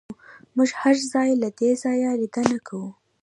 موږ هر ځل له دې ځایه لیدنه کوو